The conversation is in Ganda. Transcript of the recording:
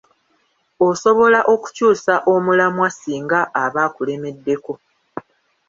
Osobola okukyusa omulamwa ssinga aba akulemeddeko.